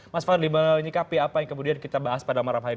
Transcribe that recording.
mas fadli menyikapi apa yang kemudian kita bahas pada malam hari ini